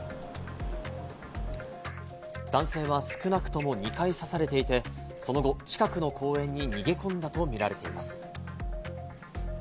男性は少なくとも２回刺されていて、その後、近くの公園に逃げ込んだとみられています。